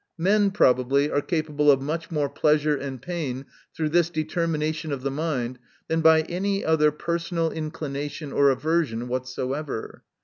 Men, probably, are capable of much more pleasure and pain through this determination of the mind, than by any other personal inclination, or aversion, whatsoever.